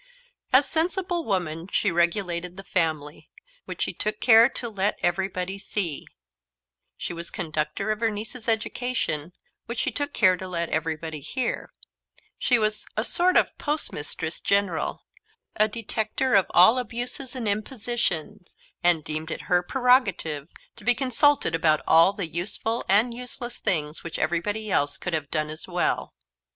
As sensible woman she regulated the family, which she took care to let everybody see; she was conductor of her nieces' education, which she took care to let everybody hear; she was a sort of postmistress general a detector of all abuses and impositions; and deemed it her prerogative to be consulted about all the useful and useless things which everybody else could have done as well.